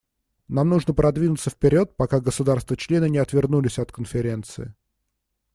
Нам нужно продвинуться вперед, пока государства-члены не отвернулись от Конференции.